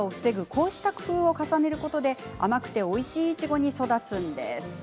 こうした工夫を重ねることで甘くておいしいイチゴに育つんです。